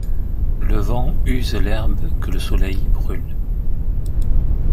Le vent use l’herbe que le soleil brûle.